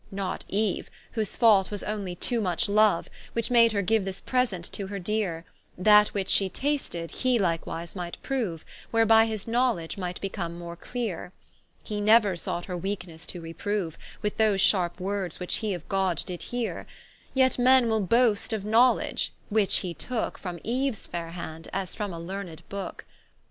Not Eue, whose fault was onely too much loue, Which made her giue this present to her Deare, That which shee tasted, he likewise might proue, Whereby his knowledge might become more cleare; He neuer sought her weakenesse to reproue, With those sharpe words wich he of God did heare: Yet Men will boast of Knowledge, which he tooke From Eues faire hand, as from a learned Booke.